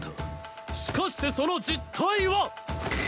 しかしてその実体は！